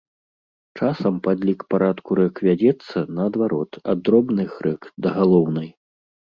Часам падлік парадку рэк вядзецца, наадварот, ад дробных рэк да галоўнай.